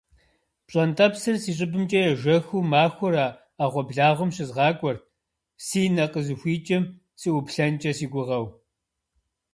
ПщӀэнтӀэпсыр си щӀыбымкӀэ ежэхыу махуэр а Ӏэгъуэблагъуэм щызгъакӀуэрт, си нэ къызыхуикӀым сыӀуплъэнкӀэ сыгугъэу.